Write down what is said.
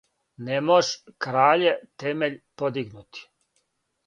Не мож, краље, темељ подигнути,